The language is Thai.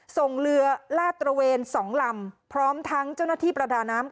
ส่งเรือลาดตระเวน๒ลำพร้อมทั้งเจ้าหน้าที่ประดาน้ำ